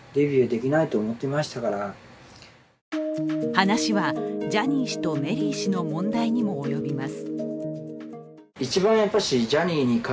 話はジャニー氏とメリー氏の問題にも及びます。